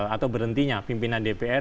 atau berhentinya pimpinan dpr